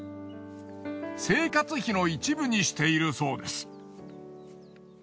生活費の一部にしているそうです。